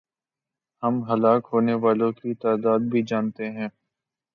ہم ہلاک ہونے والوں کی تعداد بھی جانتے ہیں۔